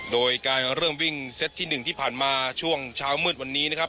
โดยการเริ่มวิ่งเซตที่๑ที่ผ่านมาช่วงเช้ามืดวันนี้นะครับ